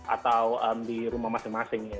atau di rumah masing masing ya